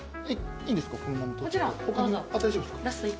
いいんですか？